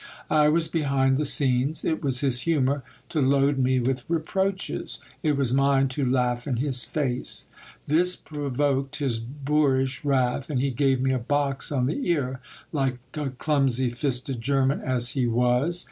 I was behind the scenes. It was his humour to load me with reproaches ; it was mine to laugh in his face. This provoked his boorish wrath, and he gave me a box on the ear, like a clumsy fisted German as he was.